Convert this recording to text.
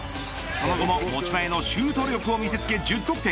その後も持ち前のシュート力を見せつけ、１０得点。